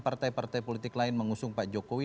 partai partai politik lain mengusung pak jokowi